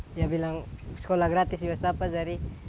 dia bilang sekolah gratis di resapa